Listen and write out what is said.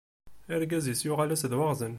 Argaz-is yuɣal-as d waɣzen.